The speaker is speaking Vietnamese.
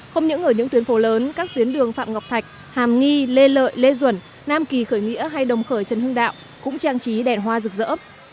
không những ở những tuyến phố lớn các tuyến đường phạm ngọc thạch hàm nghi lê lợi lê duẩn nam kỳ khởi nghĩa hay đồng khởi trần hưng đạo cũng trang trí đèn hoa rực rỡ